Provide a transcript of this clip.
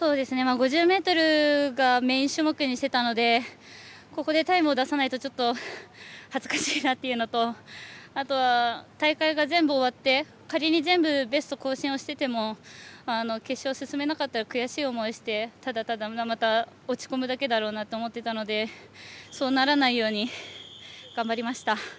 ５０ｍがメイン種目にしていたのでここでタイムを出さないとちょっと恥ずかしいなというのとあとは、大会が全部終わって仮に全部ベスト更新をしていても決勝進めなかったら悔しい思いしてただただ、また落ち込むだけだろうなと思っていたのでそうならないように頑張りました。